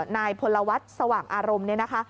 นายพลวัฒน์สว่างอารมณ์เนี่ยนะคะ